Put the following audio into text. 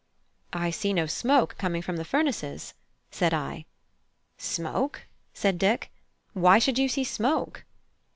"I see no smoke coming from the furnaces," said I. "Smoke?" said Dick; "why should you see smoke?"